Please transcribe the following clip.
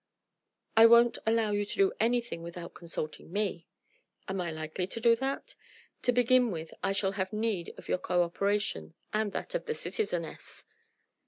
"I won't allow you to do anything without consulting me." "Am I likely to do that? To begin with I shall have need of your co operation and that of the citizeness."